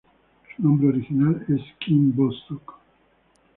Su nombre original es Kim Bo Suk.